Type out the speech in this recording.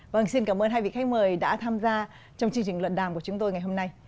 vâng xin cảm ơn hai vị khách mời đã tham gia trong chương trình luận đàm của chúng tôi ngày hôm nay